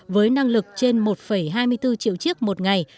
với năng lực trên một hai mươi bốn triệu chiếc một ngày